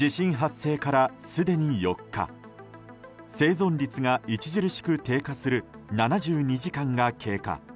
生存率が著しく低下する７２時間が経過。